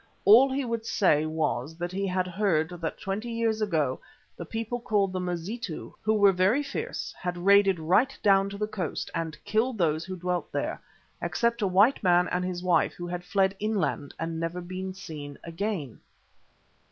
All he would say was that he had heard that twenty years ago the people called the Mazitu, who were very fierce, had raided right down to the coast and killed those who dwelt there, except a white man and his wife who had fled inland and never been seen again.